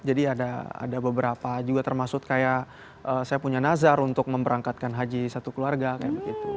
jadi ada beberapa juga termaksud kayak saya punya nazar untuk memberangkatkan haji satu keluarga kayak begitu